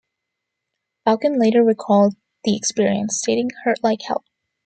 Falcon later recalled the experience, stating "Hurt like "hell".